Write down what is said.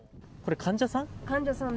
患者さん？